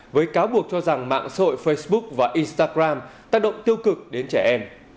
với cáo buộc cho rằng mạng sội facebook và instagram tác động tiêu cực đến trẻ em